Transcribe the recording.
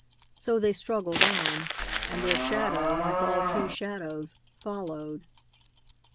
So they struggled on. And their shadow, like all true shadows, followed.